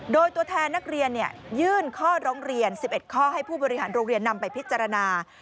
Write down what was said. โดยตัวแทนนักเรียนยื่น๑๑ข้อให้ผู้บริหารโรงเรียนนำไปพิจารณา